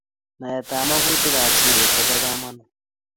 Naetab magutik ab siret ko bo kamanut